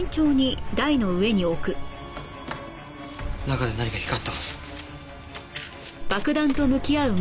中で何か光ってます。